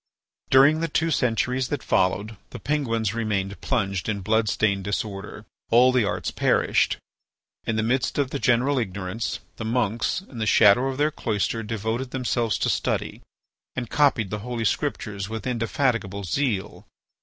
During the two centuries that followed, the Penguins remained plunged in blood stained disorder. All the arts perished. In the midst of the general ignorance, the monks in the shadow of their cloister devoted themselves to study, and copied the Holy Scriptures with indefatigable zeal.